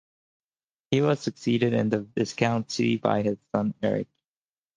He was succeeded in the viscountcy by his son, Eric.